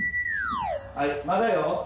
はいまだよ。